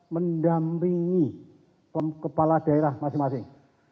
mendampingi kepala daerah masing masing